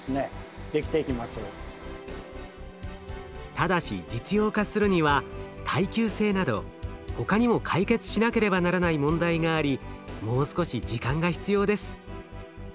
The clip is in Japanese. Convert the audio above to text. ただし実用化するには耐久性など他にも解決しなければならない問題がありもう少し時間が必要です。